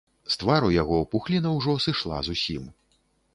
З твару яго пухліна ўжо сышла зусім.